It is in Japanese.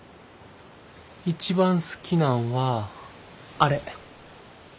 一番好きなんはあれ。